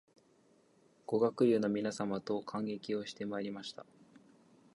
ご学友の皆様と観劇をしてまいりました